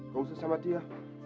gak usah sama dia